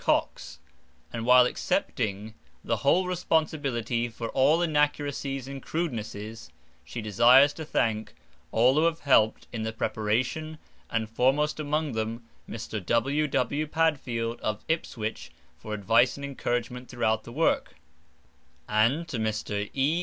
Cox, and while accepting the whole responsibility for all inaccuracies and crudenesses, she desires to thank all who have helped in the preparation, and foremost among them Mr. W. W. Padfield, of Ipswich, for advice and encouragement throughout the work, and to Mr. E.